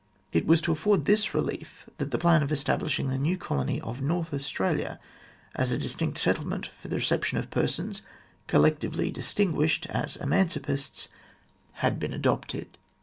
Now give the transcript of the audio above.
It was to afford this relief that the plan of establishing the new colony of North Australia, as a distinct settlement for the reception of persons, collec tively distinguished as emancipists, had been adopted.